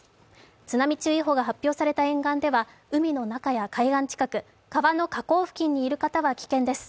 津波注意報が発表された沿岸では海の中や海岸近く川の河口付近にいる方は危険です。